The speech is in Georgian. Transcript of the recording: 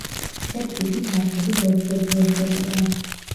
მთებს იქით არხები ბორცვებზე ეშვებოდა.